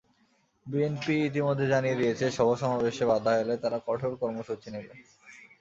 BNP ইতিমধ্যে জানিয়ে দিয়েছে, সভাসমাবেশে বাধা এলে তারা কঠোর কর্মসূচি নেবে।